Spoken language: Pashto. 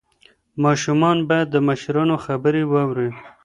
ماشومان باید د مشرانو خبرې واوري.